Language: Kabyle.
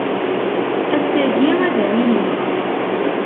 Ass-agi ad am-iniɣ.